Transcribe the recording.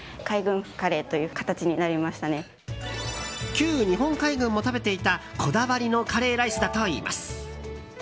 旧日本海軍も食べていたこだわりのカレーライスだといいます。